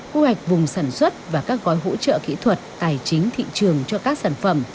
quy hoạch vùng sản xuất và các gói hỗ trợ kỹ thuật tài chính thị trường cho các sản phẩm